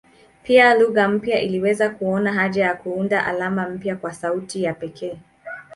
Pia lugha mpya iliweza kuona haja ya kuunda alama mpya kwa sauti ya pekee.